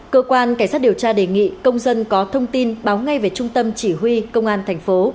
cơ quan cảnh sát điều tra đề nghị công dân có thông tin báo ngay về trung tâm chỉ huy công an thành phố